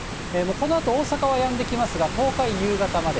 このあと大阪はやんできますが、東海、夕方まで。